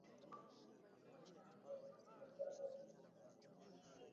kutokana na kwa kukutwa na hatia ya kusafirisha dawa za kulevya